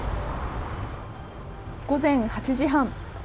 午前８時半。